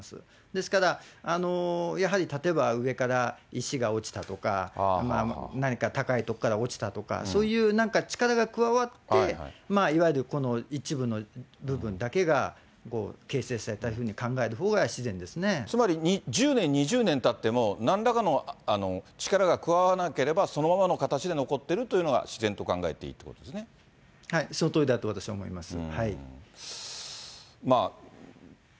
ですから、やはり例えば上から石が落ちたとか、何か高い所から落ちたとか、そういうなんか力が加わって、いわゆる一部の部分だけが形成されたというふうに考えるほうが自つまり１０年、２０年たっても、なんらかの力が加わらなければ、そのままの形で残っているというのが自然と考えていいということそのとおりだと私は思います。